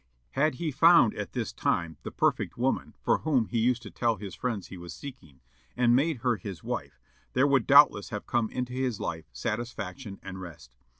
Had he found at this time "the perfect woman" for whom he used to tell his friends he was seeking, and made her his wife, there would doubtless have come into his life satisfaction and rest.